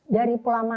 dari pola makan